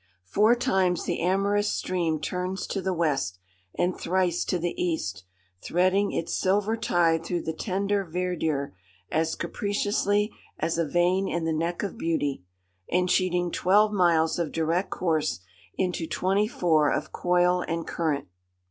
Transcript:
Four times the amorous stream turns to the west, and thrice to the east, threading its silver tide through the tender verdure as capriciously as a vein in the neck of beauty, and cheating twelve miles of direct course into twenty four of coil and current.